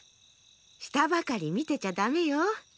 したばかりみてちゃダメよ。